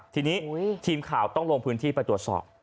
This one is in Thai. ทีนี้ทีมข่าวต้องลงพื้นที่ไปตรวจสอบ